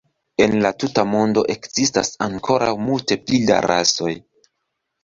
En la tuta mondo ekzistas ankoraŭ multe pli da rasoj.